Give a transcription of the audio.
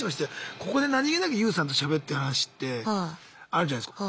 ここで何気なくＹＯＵさんとしゃべってる話ってあるじゃないすか。